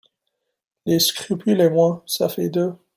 Les scrupules et moi, ça fait deux.